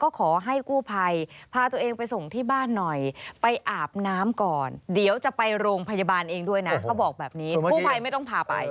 ก็บอกแบบนี้ผู้ภัยไม่ต้องพาไป